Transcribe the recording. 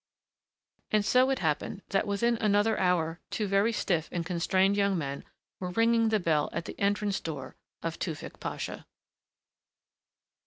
And so it happened that within another hour two very stiff and constrained young men were ringing the bell at the entrance door of Tewfick Pasha.